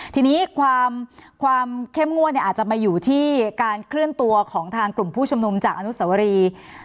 ทีนี้ความเข้มงวดอาจจะมาอยู่ที่การเคลื่อนตัวของทางกลุ่มผู้ชุมนุมจากอนุสวรี